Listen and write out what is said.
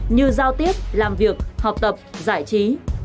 như giao tiếp làm việc học tập giải trí